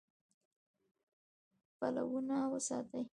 پلونه وساتئ